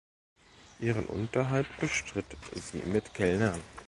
Ihren Unterhalt bestritt sie mit Kellnern.